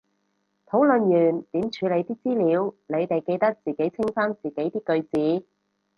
討論完點處理啲資料，你哋記得自己清返自己啲句子